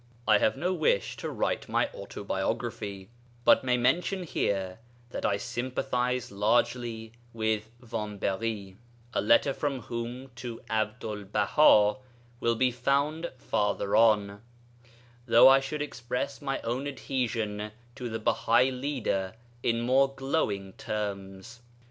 I have no wish to write my autobiography, but may mention here that I sympathize largely with Vambéry, a letter from whom to Abdu'l Baha will be found farther on; though I should express my own adhesion to the Bahai leader in more glowing terms.